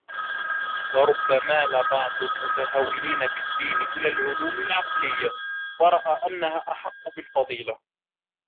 وَرُبَّمَا مَالَ بَعْضُ الْمُتَهَاوِنِينَ بِالدِّينِ إلَى الْعُلُومِ الْعَقْلِيَّةِ وَرَأَى أَنَّهَا أَحَقُّ بِالْفَضِيلَةِ